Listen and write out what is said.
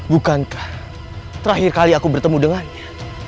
bukankah terakhir kali aku bertemu dengannya